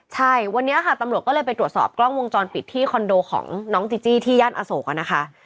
ใช่แต่วันนี้ค่ะตำรวจไปตรวจสอบกล้องวงจรปิดที่คอนโดของน้องจิ๊วที่ย่านอโสก๙๙๙